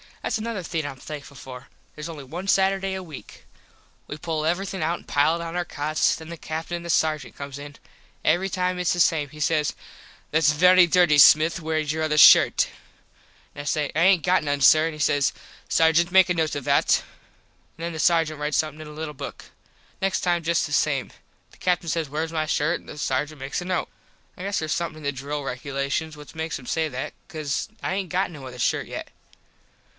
Thats another thing Im thankful for. Theres only one Saturday a weak. We pull everything out an pile it on our cots. Then the Captin an the Sargent comes in. Every time its the same. He says "Thats very dirty Smith wheres your other shirt." An I say "I aint got none, sir." An he says "Sargent make a note of that." An then the Sargent rites somethin in a little book. Next time just the same. The Captin says wheres my shirt an the sargent makes a note. I guess theres somethin in the drill regulations what makes him say that cause I aint got no other shirt yet.